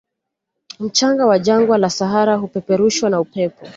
Mchanga wa jangwa la sahara hupeperushwa na upepo